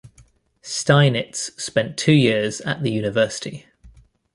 Steinitz spent two years at the university.